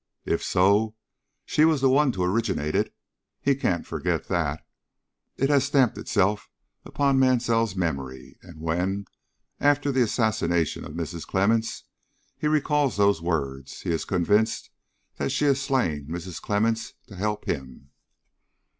If so, she was the one to originate it. He can't forget that. It has stamped itself upon Mansell's memory, and when, after the assassination of Mrs. Clemmens, he recalls those words, he is convinced that she has slain Mrs. Clemmens to help him."